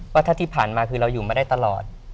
ว่าถ้าที่ผ่านมาคือเราอยู่มาได้ตลอด